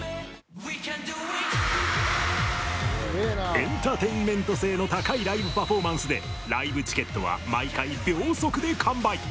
エンターテインメント性の高いライブパフォーマンスでライブチケットは毎回、秒速で完売。